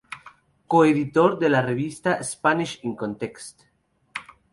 Co-editor de la revista "Spanish in Context".